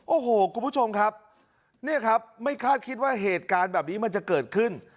โอ้โหคุณผู้ชมครับเนี่ยครับไม่คาดคิดว่าเหตุการณ์แบบนี้มันจะเกิดขึ้น